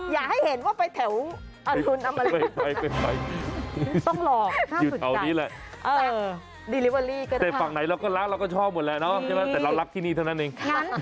อยากให้เห็นว่าไปแถวอนุณามาลีก่อนสู้นี่แหละแต่ฟั่งไหนเราก็รักเราก็ชอบหมดแล้วเนาะใช่ป่ะแต่เรารักที่นี้เท่านั้นเอง